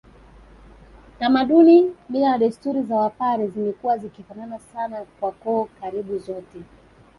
Tamaduni mila na desturi za wapare zimekuwa zikifanana sana kwa koo karibu zote